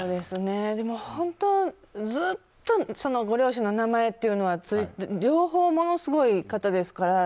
でも本当、ずっとご両親の名前というのは両方ものすごい方ですから。